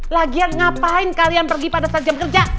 lagian ngapain kalian pergi pada saat jam kerja